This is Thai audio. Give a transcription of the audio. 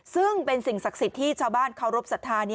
ซึ่งเป็นสิ่งศักดิ์สิทธิ์ที่ชาวบ้านเคารพสัทธา